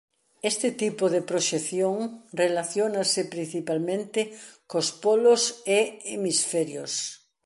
Este tipo de proxección relaciónase principalmente cos polos e hemisferios.